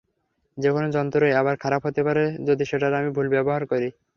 যেকোনো যন্ত্রই আবার খারাপ হতে পারে, যদি সেটার আমি ভুল ব্যবহার করি।